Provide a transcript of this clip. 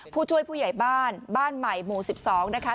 ผู้ช่วยผู้ใหญ่บ้านบ้านใหม่หมู่๑๒นะคะ